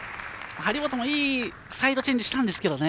張本もいいサイドチェンジしたんですけどね。